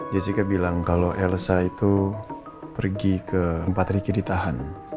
jessica bilang kalau elsa itu pergi ke empat ricky ditahan